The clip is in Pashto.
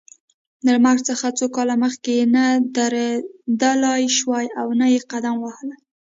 له مرګ څخه څو کاله مخکې نه درېدلای شوای او نه یې قدم وهلای.